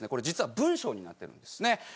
実は文章になってるんですね。